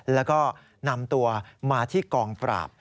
แล้วก็นำตัวมาที่กองปราบ